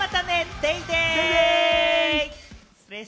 デイデイ！